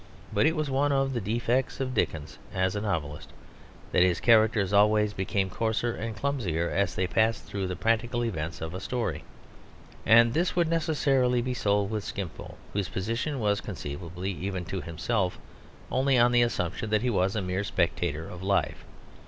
But it was one of the defects of Dickens as a novelist that his characters always became coarser and clumsier as they passed through the practical events of a story, and this would necessarily be so with Skimpole, whose position was conceivable even to himself only on the assumption that he was a mere spectator of life.